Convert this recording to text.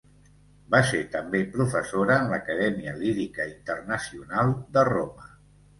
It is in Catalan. Va ser també professora en l'Acadèmia Lírica Internacional de Roma.